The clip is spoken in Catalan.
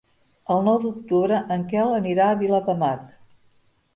El nou d'octubre en Quel anirà a Viladamat.